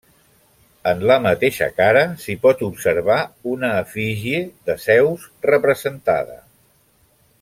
En la mateixa cara s’hi pot observar una efígie de Zeus representada.